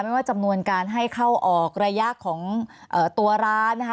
ไม่ว่าจำนวนการให้เข้าออกระยะของตัวร้านนะคะ